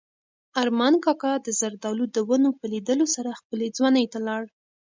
ارمان کاکا د زردالو د ونو په لیدلو سره خپلې ځوانۍ ته لاړ.